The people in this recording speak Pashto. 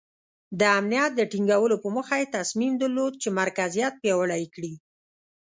د امنیت د ټینګولو په موخه یې تصمیم درلود چې مرکزیت پیاوړی کړي.